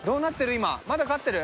今まだ勝ってる？